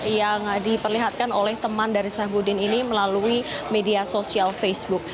yang diperlihatkan oleh teman dari sahbudin ini melalui media sosial facebook